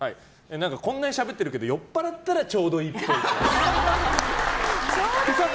こんなにしゃべってるけど酔っ払ったらちょうどいいっぽい。